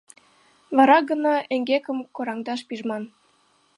Вара гына эҥгекым кораҥдаш пижман.